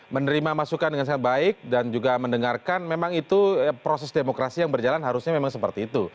menerima masukan dengan sangat baik dan juga mendengarkan memang itu proses demokrasi yang berjalan harusnya memang seperti itu